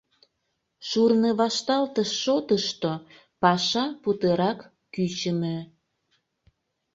Шурнывашталтыш шотышто паша путырак кӱчымӧ.